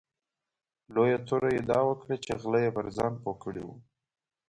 لویه توره یې دا وکړه چې غله یې پر ځان پوه کړي وو.